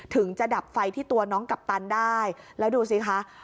ถึงจะดับไฟที่ตัวน้องกัปตันได้แล้วดูสิคะ